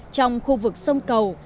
trong khu vực sông cầu